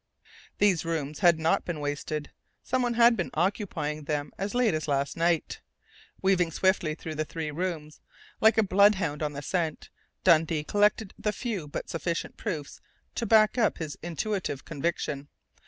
These rooms had not been wasted! Someone had been occupying them as late as last night! Weaving swiftly through the three rooms, like a bloodhound on the scent, Dundee collected the few but sufficient proofs to back up his intuitive conviction.